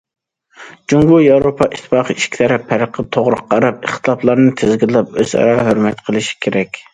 جۇڭگو- ياۋروپا ئىتتىپاقى ئىككى تەرەپ پەرققە توغرا قاراپ، ئىختىلاپلارنى تىزگىنلەپ، ئۆزئارا ھۆرمەت قىلىشى كېرەك.